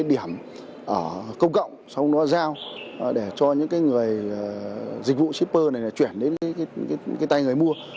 các đối tượng có thể gửi hàng ở công cộng xong nó giao để cho những người dịch vụ shipper này chuyển đến tay người mua